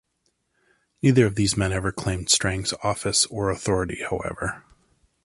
Neither of these men ever claimed Strang's office or authority, however.